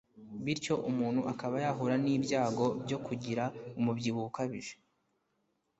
bityo umuntu akaba yahura n’ibyago byo kugira umubyibuho ukabije